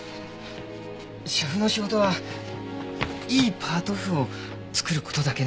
写譜の仕事はいいパート譜を作る事だけなんです。